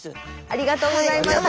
ありがとうございます。